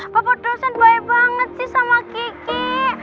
bapak dosen baik banget sih sama kiki